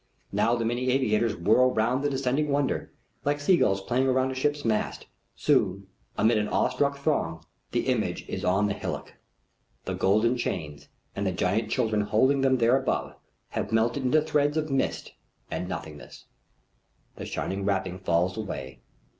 Now the many aviators whirl round the descending wonder, like seagulls playing about a ship's mast. Soon, amid an awestruck throng, the image is on the hillock. The golden chains, and the giant children holding them there above, have melted into threads of mist and nothingness. The shining wrapping falls away.